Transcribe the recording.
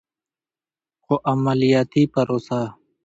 خو عملیاتي پروسه